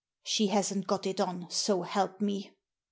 " She hasn't got it on, so help me